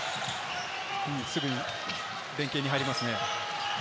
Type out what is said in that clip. すぐに連係に入りますね。